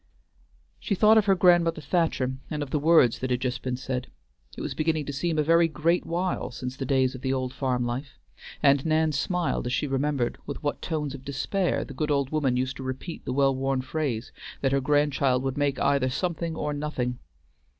She thought of her grandmother Thacher, and of the words that had just been said; it was beginning to seem a very great while since the days of the old farm life, and Nan smiled as she remembered with what tones of despair the good old woman used to repeat the well worn phrase, that her grandchild would make either something or nothing.